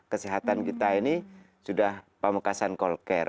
kesehatan kita ini sudah pamekasan call care